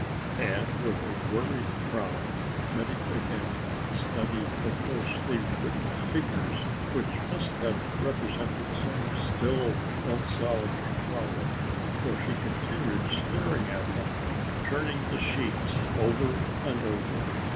And with a worried frown Betty again studied the closely written figures which must have represented some still unsolved problem, for she continued staring at them, turning the sheets over and over.